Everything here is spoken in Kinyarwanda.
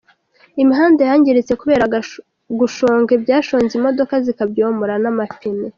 Imihanda yangiritse kubera gushonga ibyashonze imodoka zikabyomora n'amapine.